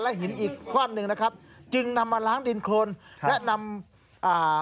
หินอีกก้อนหนึ่งนะครับจึงนำมาล้างดินโครนและนำอ่า